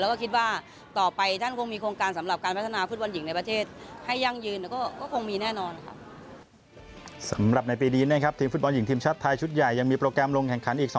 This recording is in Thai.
แล้วก็คิดว่าต่อไปท่านคงมีโครงการสำหรับการพัฒนาฟุตบอลหญิงในประเทศ